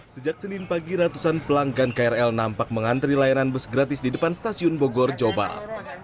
sejak senin pagi ratusan pelanggan krl nampak mengantri layanan bus gratis di depan stasiun bogor jawa barat